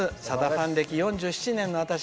さださん歴４７年の私。